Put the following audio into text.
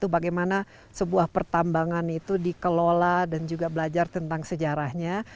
bagaimana sebuah pertambangan itu dikelola dan juga belajar tentang sejarahnya